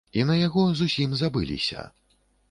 І на яго зусім забыліся.